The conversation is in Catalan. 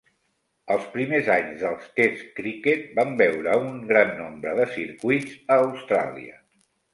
Els primers anys dels test criquet van veure un gran nombre de circuits a Austràlia.